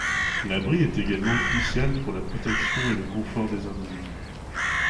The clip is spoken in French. L'abri est également crucial pour la protection et le confort des individus.